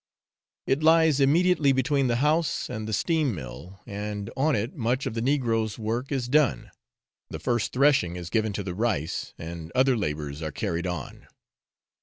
It lies immediately between the house and the steam mill, and on it much of the negroes' work is done the first threshing is given to the rice, and other labours are carried on.